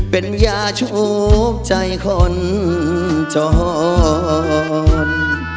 เป็นยาชูบใจคนจร